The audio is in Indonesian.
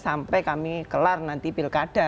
sampai kami kelar nanti pilkada